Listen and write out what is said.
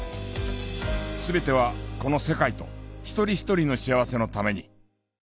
全てはこの世界と一人一人の幸せのために。